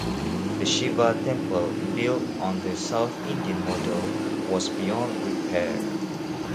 The Shiva temple built on the South Indian model was beyond repair.